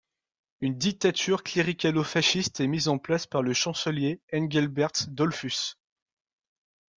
Une dictature cléricalo-fasciste est mise en place par le chancelier Engelbert Dollfuss.